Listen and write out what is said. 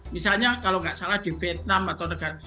misalnya kalau nggak salah di vietnam atau negara